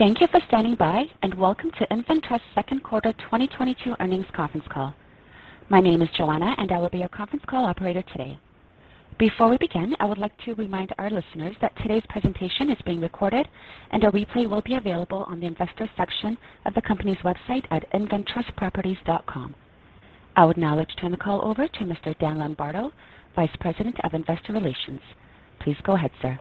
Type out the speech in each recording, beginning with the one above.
Thank you for standing by, and welcome to InvenTrust Q2 2022 earnings conference call. My name is Joanna, and I will be your conference call operator today. Before we begin, I would like to remind our listeners that today's presentation is being recorded and a replay will be available on the investor section of the company's website at inventrustproperties.com. I would now like to turn the call over to Mr. Dan Lombardo, Vice President of Investor Relations. Please go ahead, sir.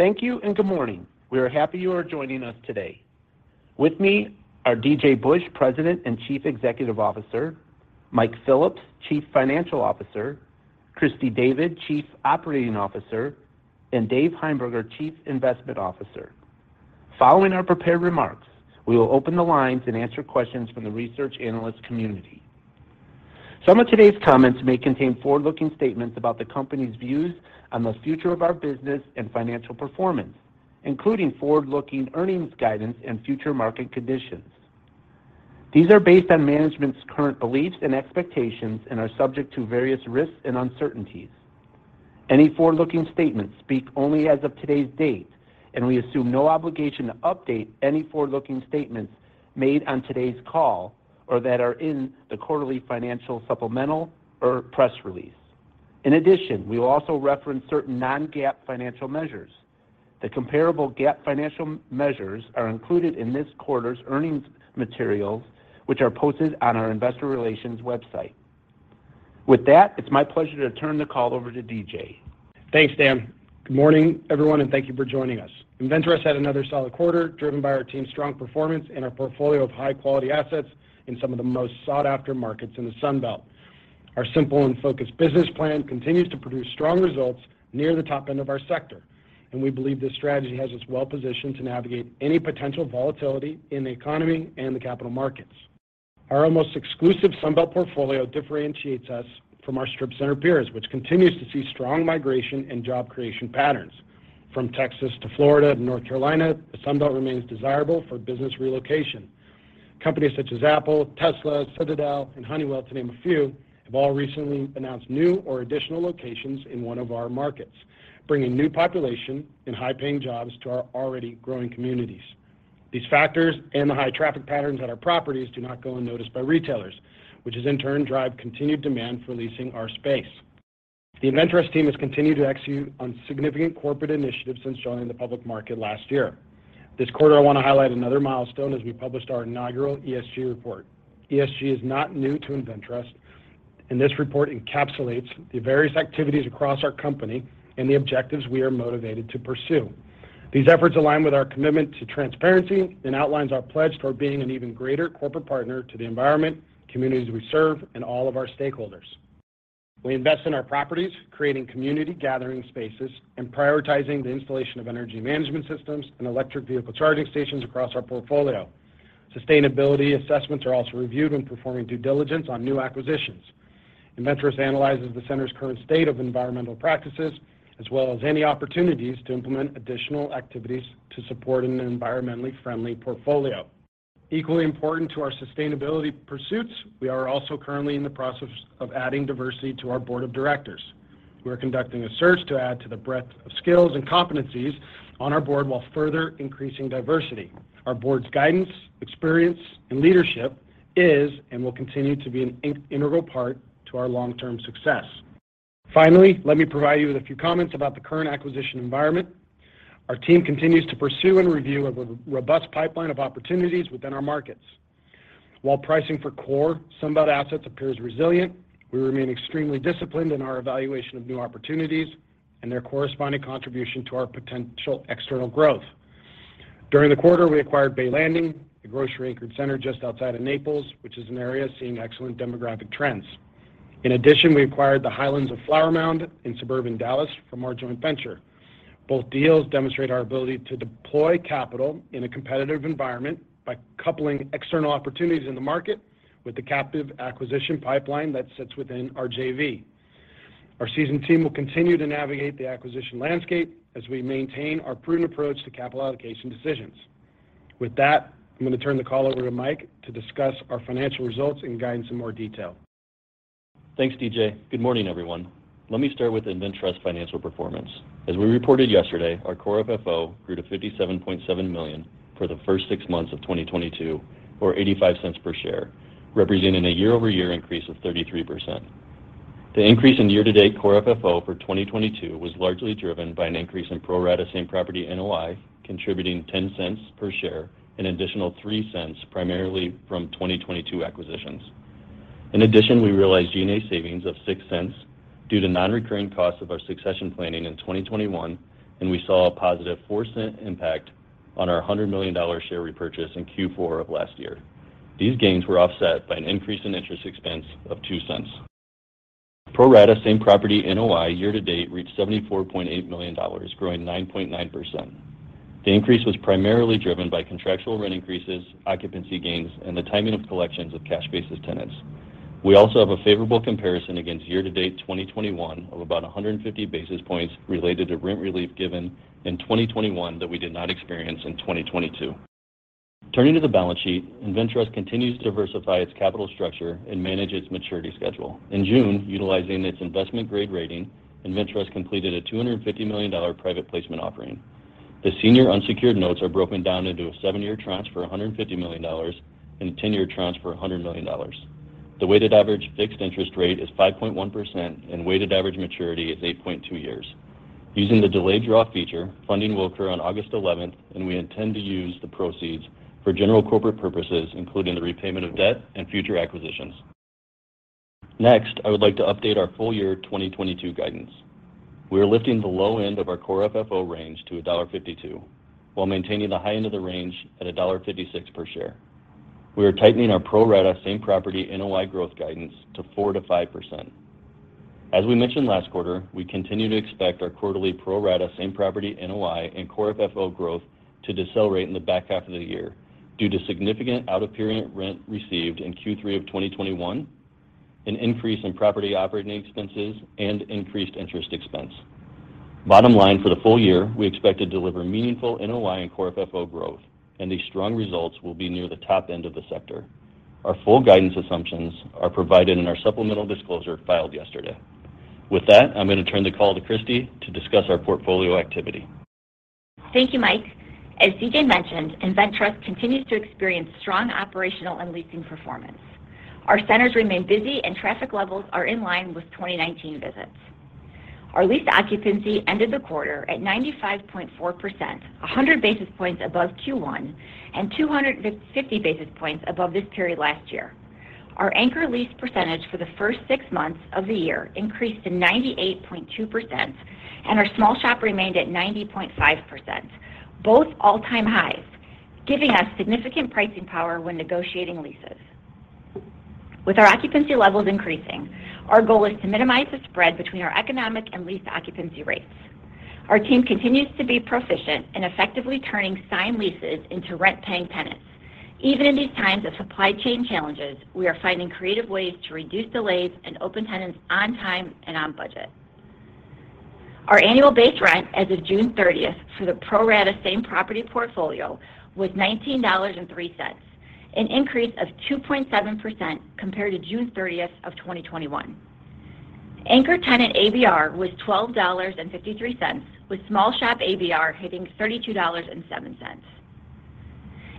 Thank you and good morning. We are happy you are joining us today. With me are DJ Busch, President and Chief Executive Officer, Mike Phillips, Chief Financial Officer, Christy David, Chief Operating Officer, and Dave Heimberger, Chief Investment Officer. Following our prepared remarks, we will open the lines and answer questions from the research analyst community. Some of today's comments may contain forward-looking statements about the company's views on the future of our business and financial performance, including forward-looking earnings guidance and future market conditions. These are based on management's current beliefs and expectations and are subject to various risks and uncertainties. Any forward-looking statements speak only as of today's date, and we assume no obligation to update any forward-looking statements made on today's call or that are in the quarterly financial supplemental or press release. In addition, we will also reference certain non-GAAP financial measures. The comparable GAAP financial measures are included in this quarter's earnings materials, which are posted on our investor relations website. With that, it's my pleasure to turn the call over to DJ. Thanks, Dan. Good morning, everyone, and thank you for joining us. InvenTrust had another solid quarter driven by our team's strong performance and our portfolio of high-quality assets in some of the most sought-after markets in the Sun Belt. Our simple and focused business plan continues to produce strong results near the top end of our sector, and we believe this strategy has us well positioned to navigate any potential volatility in the economy and the capital markets. Our almost exclusive Sun Belt portfolio differentiates us from our strip center peers, which continues to see strong migration and job creation patterns. From Texas to Florida to North Carolina, the Sun Belt remains desirable for business relocation. Companies such as Apple, Tesla, Citadel, and Honeywell, to name a few, have all recently announced new or additional locations in one of our markets, bringing new population and high-paying jobs to our already growing communities. These factors and the high traffic patterns at our properties do not go unnoticed by retailers, which in turn drive continued demand for leasing our space. The InvenTrust team has continued to execute on significant corporate initiatives since joining the public market last year. This quarter, I want to highlight another milestone as we published our inaugural ESG report. ESG is not new to InvenTrust, and this report encapsulates the various activities across our company and the objectives we are motivated to pursue. These efforts align with our commitment to transparency and outlines our pledge toward being an even greater corporate partner to the environment, communities we serve, and all of our stakeholders. We invest in our properties, creating community gathering spaces, and prioritizing the installation of energy management systems and electric vehicle charging stations across our portfolio. Sustainability assessments are also reviewed when performing due diligence on new acquisitions. InvenTrust analyzes the center's current state of environmental practices, as well as any opportunities to implement additional activities to support an environmentally friendly portfolio. Equally important to our sustainability pursuits, we are also currently in the process of adding diversity to our board of directors. We are conducting a search to add to the breadth of skills and competencies on our board while further increasing diversity. Our board's guidance, experience, and leadership is and will continue to be an integral part to our long-term success. Finally, let me provide you with a few comments about the current acquisition environment. Our team continues to pursue a review of a robust pipeline of opportunities within our markets. While pricing for core Sun Belt assets appears resilient, we remain extremely disciplined in our evaluation of new opportunities and their corresponding contribution to our potential external growth. During the quarter, we acquired Bay Landing, a grocery anchored center just outside of Naples, which is an area seeing excellent demographic trends. In addition, we acquired the Highlands of Flower Mound in suburban Dallas from our joint venture. Both deals demonstrate our ability to deploy capital in a competitive environment by coupling external opportunities in the market with the captive acquisition pipeline that sits within our JV. Our seasoned team will continue to navigate the acquisition landscape as we maintain our prudent approach to capital allocation decisions. With that, I'm going to turn the call over to Mike to discuss our financial results and guidance in more detail. Thanks, DJ. Good morning, everyone. Let me start with InvenTrust financial performance. As we reported yesterday, our core FFO grew to $57.7 million for the first six months of 2022, or $0.85 per share, representing a year-over-year increase of 33%. The increase in year-to-date core FFO for 2022 was largely driven by an increase in pro rata same property NOI, contributing $0.10 per share, an additional $0.03 primarily from 2022 acquisitions. In addition, we realized G&A savings of $0.06 due to non-recurring costs of our succession planning in 2021, and we saw a positive $0.04 impact on our $100 million share repurchase in Q4 of last year. These gains were offset by an increase in interest expense of $0.02. Pro rata same property NOI year to date reached $74.8 million, growing 9.9%. The increase was primarily driven by contractual rent increases, occupancy gains, and the timing of collections of cash basis tenants. We also have a favorable comparison against year-to-date 2021 of about 150 basis points related to rent relief given in 2021 that we did not experience in 2022. Turning to the balance sheet, InvenTrust continues to diversify its capital structure and manage its maturity schedule. In June, utilizing its investment grade rating, InvenTrust completed a $250 million private placement offering. The senior unsecured notes are broken down into a seven-year tranche for $150 million and a 10-year tranche for $100 million. The weighted average fixed interest rate is 5.1% and weighted average maturity is eight point two years. Using the delayed draw feature, funding will occur on August 11, and we intend to use the proceeds for general corporate purposes, including the repayment of debt and future acquisitions. Next, I would like to update our full year 2022 guidance. We are lifting the low end of our Core FFO range to $1.52, while maintaining the high end of the range at $1.56 per share. We are tightening our pro rata same property NOI growth guidance to 4%-5%. As we mentioned last quarter, we continue to expect our quarterly pro rata same property NOI and Core FFO growth to decelerate in the back half of the year due to significant out-of-period rent received in Q3 of 2021, an increase in property operating expenses, and increased interest expense. Bottom line, for the full year, we expect to deliver meaningful NOI and Core FFO growth, and these strong results will be near the top end of the sector. Our full guidance assumptions are provided in our supplemental disclosure filed yesterday. With that, I'm going to turn the call to Christy to discuss our portfolio activity. Thank you, Mike. As DJ mentioned, InvenTrust continues to experience strong operational and leasing performance. Our centers remain busy and traffic levels are in line with 2019 visits. Our lease occupancy ended the quarter at 95.4%, 100 basis points above Q1 and 250 basis points above this period last year. Our anchor lease percentage for the first six months of the year increased to 98.2%, and our small shop remained at 90.5%, both all-time highs, giving us significant pricing power when negotiating leases. With our occupancy levels increasing, our goal is to minimize the spread between our economic and lease occupancy rates. Our team continues to be proficient in effectively turning signed leases into rent-paying tenants. Even in these times of supply chain challenges, we are finding creative ways to reduce delays and open tenants on time and on budget. Our annual base rent as of June 30 for the pro rata same property portfolio was $19.03, an increase of 2.7% compared to June 30, 2021. Anchor tenant ABR was $12.53, with small shop ABR hitting $32.07.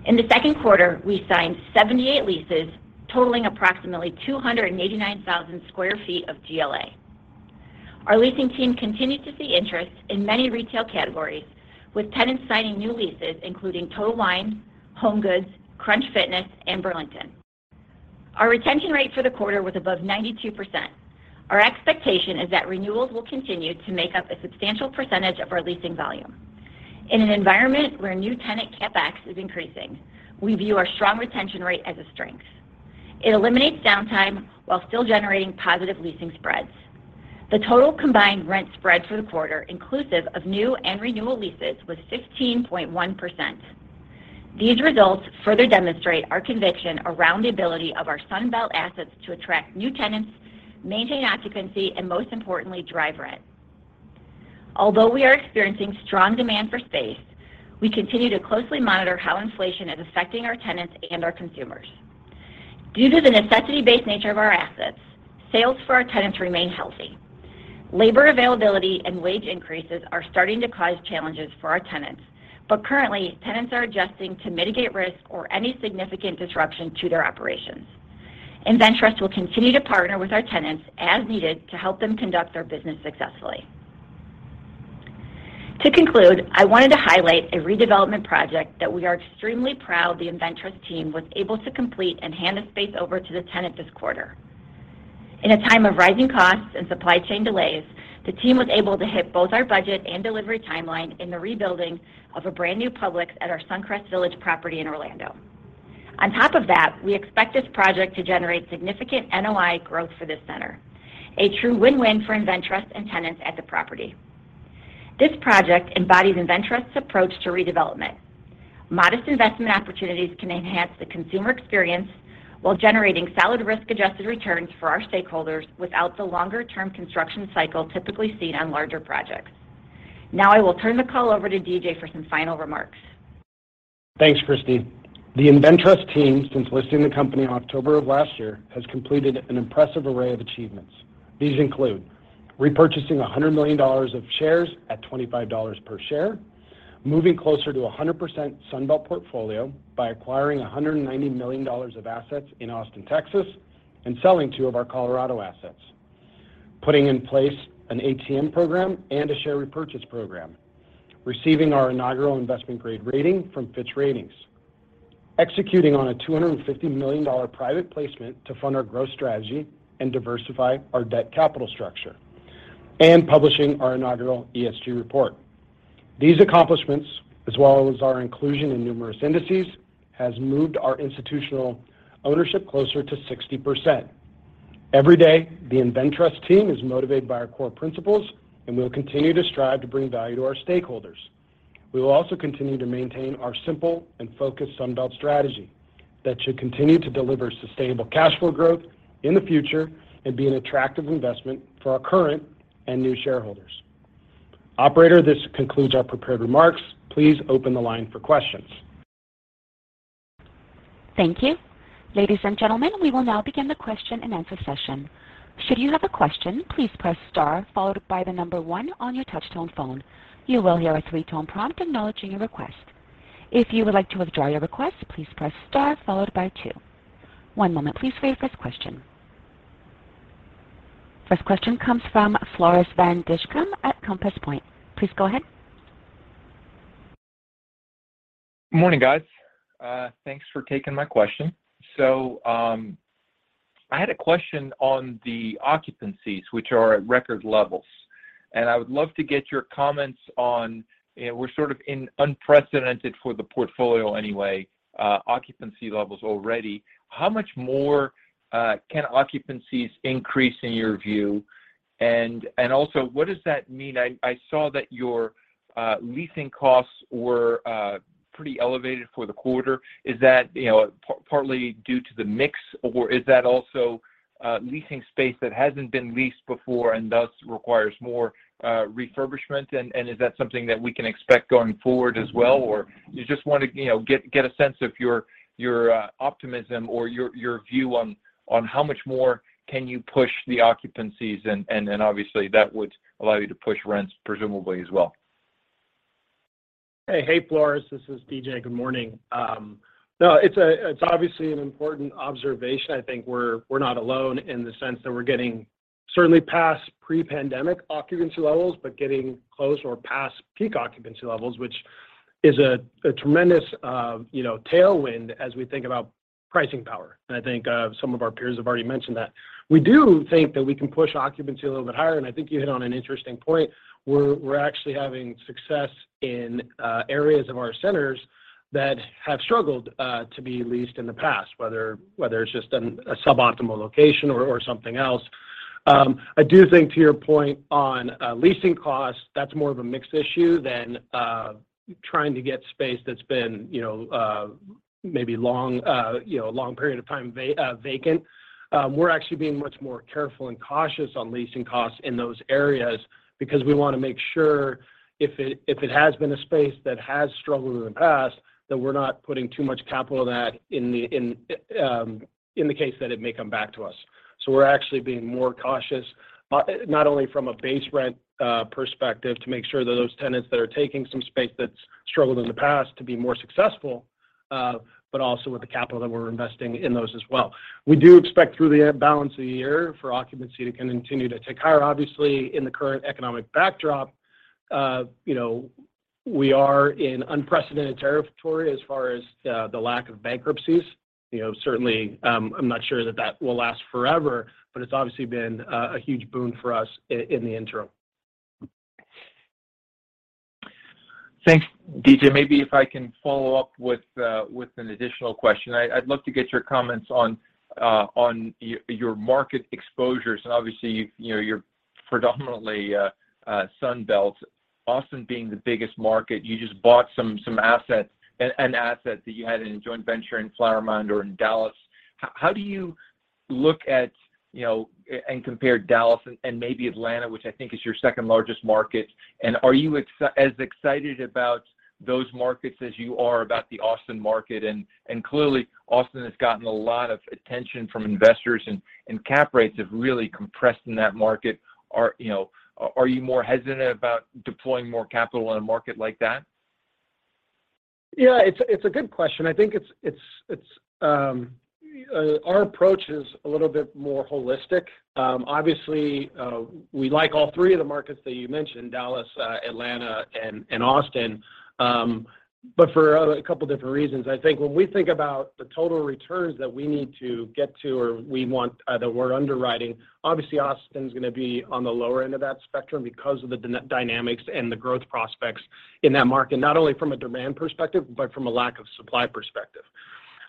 In the second quarter, we signed 78 leases totaling approximately 289,000 sq ft of GLA. Our leasing team continued to see interest in many retail categories, with tenants signing new leases, including Total Wine & More, HomeGoods, Crunch Fitness, and Burlington. Our retention rate for the quarter was above 92%. Our expectation is that renewals will continue to make up a substantial percentage of our leasing volume. In an environment where new tenant CapEx is increasing, we view our strong retention rate as a strength. It eliminates downtime while still generating positive leasing spreads. The total combined rent spread for the quarter, inclusive of new and renewal leases, was 15.1%. These results further demonstrate our conviction around the ability of our Sun Belt assets to attract new tenants, maintain occupancy, and most importantly, drive rent. Although we are experiencing strong demand for space, we continue to closely monitor how inflation is affecting our tenants and our consumers. Due to the necessity-based nature of our assets, sales for our tenants remain healthy. Labor availability and wage increases are starting to cause challenges for our tenants, but currently, tenants are adjusting to mitigate risk or any significant disruption to their operations. InvenTrust will continue to partner with our tenants as needed to help them conduct their business successfully. To conclude, I wanted to highlight a redevelopment project that we are extremely proud the InvenTrust team was able to complete and hand the space over to the tenant this quarter. In a time of rising costs and supply chain delays, the team was able to hit both our budget and delivery timeline in the rebuilding of a brand new Publix at our Suncrest Village property in Orlando. On top of that, we expect this project to generate significant NOI growth for this center, a true win-win for InvenTrust and tenants at the property. This project embodies InvenTrust's approach to redevelopment. Modest investment opportunities can enhance the consumer experience while generating solid risk-adjusted returns for our stakeholders without the longer-term construction cycle typically seen on larger projects. Now I will turn the call over to DJ for some final remarks. Thanks, Christy. The InvenTrust team, since listing the company in October of last year, has completed an impressive array of achievements. These include repurchasing $100 million of shares at $25 per share, moving closer to 100% Sun Belt portfolio by acquiring $190 million of assets in Austin, Texas, and selling two of our Colorado assets, putting in place an ATM program and a share repurchase program, receiving our inaugural investment grade rating from Fitch Ratings, executing on a $250 million private placement to fund our growth strategy and diversify our debt capital structure, and publishing our inaugural ESG report. These accomplishments, as well as our inclusion in numerous indices, has moved our institutional ownership closer to 60%. Every day, the InvenTrust team is motivated by our core principles, and we will continue to strive to bring value to our stakeholders. We will also continue to maintain our simple and focused Sun Belt strategy that should continue to deliver sustainable cash flow growth in the future and be an attractive investment for our current and new shareholders. Operator, this concludes our prepared remarks. Please open the line for questions. Thank you. Ladies and gentlemen, we will now begin the question-and-answer session. Should you have a question, please press star followed by the number one on your touchtone phone. You will hear a three-tone prompt acknowledging your request. If you would like to withdraw your request, please press star followed by two. One moment, please, for your first question. First question comes from Floris van Dijkum at Compass Point. Please go ahead. Morning, guys. Thanks for taking my question. I had a question on the occupancies, which are at record levels. I would love to get your comments on. We're sort of in unprecedented, for the portfolio anyway, occupancy levels already. How much more can occupancies increase in your view? Also, what does that mean? I saw that your leasing costs were pretty elevated for the quarter. Is that, partly due to the mix, or is that also leasing space that hasn't been leased before and thus requires more refurbishment? Is that something that we can expect going forward as well? You just want to, get a sense of your optimism or your view on how much more can you push the occupancies, and obviously that would allow you to push rents presumably as well. Hey. Hey, Floris. This is DJ. Good morning. No, it's obviously an important observation. I think we're not alone in the sense that we're getting certainly past pre-pandemic occupancy levels, but getting close or past peak occupancy levels, which is a tremendous, tailwind as we think about pricing power. I think some of our peers have already mentioned that. We do think that we can push occupancy a little bit higher, and I think you hit on an interesting point. We're actually having success in areas of our centers that have struggled to be leased in the past, whether it's just a suboptimal location or something else. I do think to your point on leasing costs, that's more of a mixed issue than trying to get space that's been, maybe a long period of time vacant. We're actually being much more careful and cautious on leasing costs in those areas because we wanna make sure if it has been a space that has struggled in the past, that we're not putting too much capital in that in the case that it may come back to us. We're actually being more cautious not only from a base rent perspective to make sure that those tenants that are taking some space that's struggled in the past to be more successful, but also with the capital that we're investing in those as well. We do expect through the balance of the year for occupancy to continue to tick higher. Obviously, in the current economic backdrop, we are in unprecedented territory as far as the lack of bankruptcies. Certainly, I'm not sure that that will last forever, but it's obviously been a huge boon for us in the interim. Thanks, DJ. Maybe if I can follow up with an additional question. I'd love to get your comments on your market exposures. Obviously, you're predominantly Sun Belt, Austin being the biggest market. You just bought some assets, an asset that you had in a joint venture in Flower Mound or in Dallas. How do you look at, and compare Dallas and maybe Atlanta, which I think is your second largest market? Are you as excited about those markets as you are about the Austin market? Clearly, Austin has gotten a lot of attention from investors, and cap rates have really compressed in that market. Are you more hesitant about deploying more capital in a market like that? Yeah. It's a good question. I think it's our approach is a little bit more holistic. Obviously, we like all three of the markets that you mentioned, Dallas, Atlanta and Austin. But for a couple different reasons. I think when we think about the total returns that we need to get to or we want that we're underwriting, obviously Austin's gonna be on the lower end of that spectrum because of the dynamics and the growth prospects in that market, not only from a demand perspective, but from a lack of supply perspective.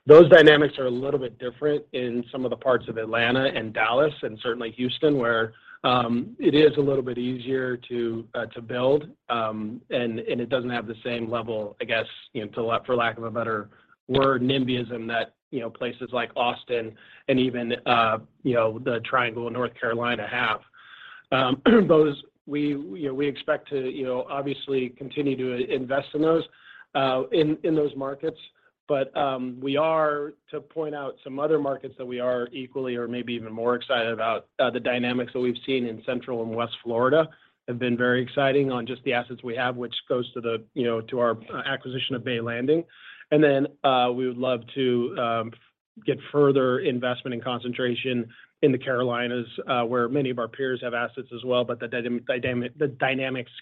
Those dynamics are a little bit different in some of the parts of Atlanta and Dallas, and certainly Houston, where it is a little bit easier to build. It doesn't have the same level, I guess, for lack of a better word, NIMBYism that, places like Austin and even, the Triangle in North Carolina have. Those. We expect to, obviously continue to invest in those markets. We want to point out some other markets that we are equally or maybe even more excited about the dynamics that we've seen in Central and West Florida have been very exciting on just the assets we have, which goes to our acquisition of Bay Landing. We would love to get further investment and concentration in the Carolinas, where many of our peers have assets as well. The dynamics,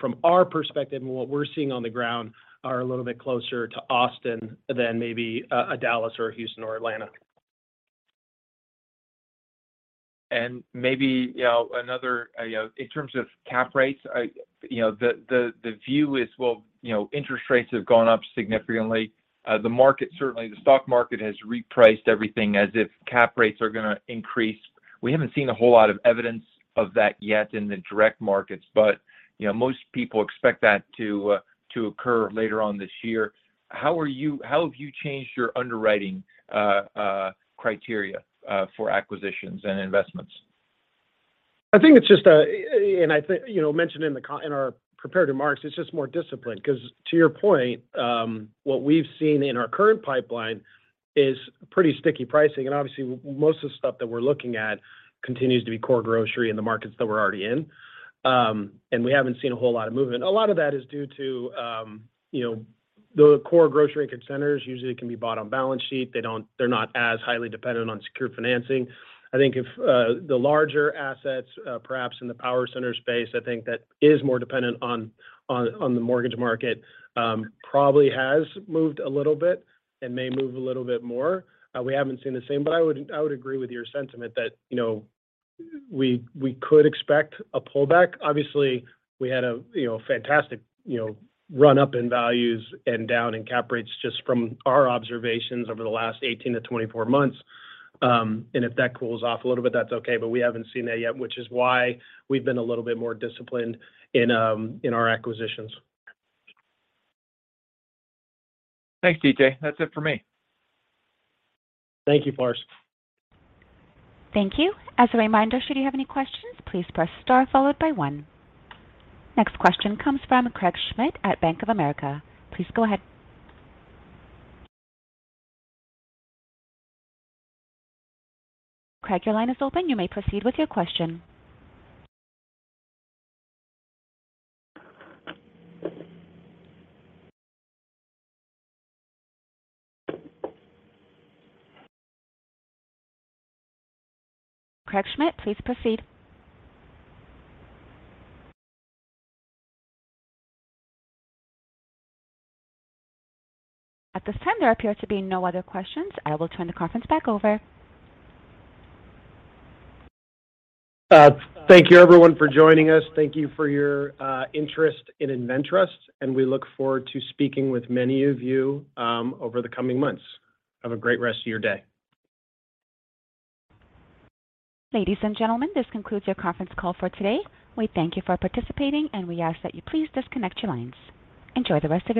from our perspective and what we're seeing on the ground are a little bit closer to Austin than maybe a Dallas, a Houston, or Atlanta. Maybe, another, in terms of cap rates, the view is, well, interest rates have gone up significantly. The market, certainly the stock market has repriced everything as if cap rates are gonna increase. We haven't seen a whole lot of evidence of that yet in the direct markets, but, most people expect that to occur later on this year. How have you changed your underwriting criteria for acquisitions and investments? I think, mentioned in our prepared remarks, it's just more discipline. 'Cause to your point, what we've seen in our current pipeline is pretty sticky pricing. Obviously most of the stuff that we're looking at continues to be core grocery in the markets that we're already in. We haven't seen a whole lot of movement. A lot of that is due to, the core grocery-anchored centers usually can be bought on balance sheet. They're not as highly dependent on secured financing. I think if the larger assets, perhaps in the power center space, I think that is more dependent on the mortgage market, probably has moved a little bit and may move a little bit more. We haven't seen the same. I would agree with your sentiment that, we could expect a pullback. Obviously, we had a fantastic run-up in values and down in cap rates just from our observations over the last 18-24 months. If that cools off a little bit, that's okay, but we haven't seen that yet, which is why we've been a little bit more disciplined in our acquisitions. Thanks, DJ. That's it for me. Thank you, Floris. Thank you. As a reminder, should you have any questions, please press star followed by one. Next question comes from Craig Schmidt at Bank of America. Please go ahead. Craig, your line is open. You may proceed with your question. Craig Schmidt, please proceed. At this time, there appear to be no other questions. I will turn the conference back over. Thank you everyone for joining us. Thank you for your interest in InvenTrust, and we look forward to speaking with many of you over the coming months. Have a great rest of your day. Ladies and gentlemen, this concludes your conference call for today. We thank you for participating, and we ask that you please disconnect your lines. Enjoy the rest of your day.